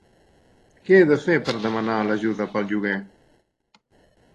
Que he de fer per demanar l'ajuda pel lloguer?